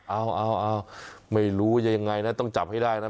เอาไม่รู้ยังไงนะต้องจับให้ได้นะ